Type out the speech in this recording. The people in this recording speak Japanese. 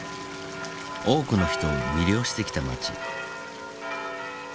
多くの人を魅了してきた街。